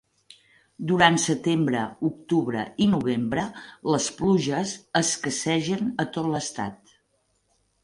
Durant setembre, octubre i novembre, les pluges escassegen a tot l'estat.